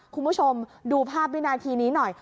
คุณผู้ชมดูภาพวินาทีนี้หน่อย